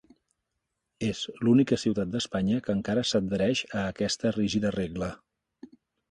És l'única ciutat d'Espanya que encara s'adhereix a aquesta rígida regla.